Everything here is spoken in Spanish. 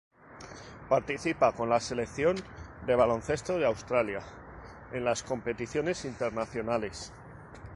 Participa con la Selección de baloncesto de Australia en las competiciones internacionales.